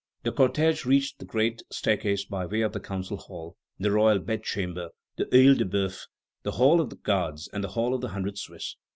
The cortège reached the great staircase by way of the Council Hall, the Royal Bedchamber, the OEil de Boeuf, the Hall of the Guards, and the Hall of the Hundred Swiss.